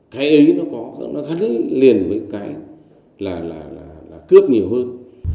cái ấy nó khá liền với cái cướp nhiều hơn